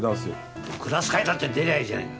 クラス会だって出りゃあいいじゃねえか。